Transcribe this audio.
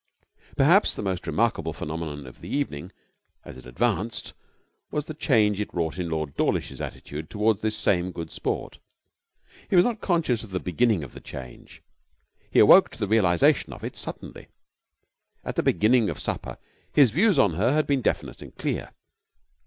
Perhaps the most remarkable phenomenon of the evening, as it advanced, was the change it wrought in Lord Dawlish's attitude toward this same Good Sport. He was not conscious of the beginning of the change; he awoke to the realization of it suddenly. At the beginning of supper his views on her had been definite and clear.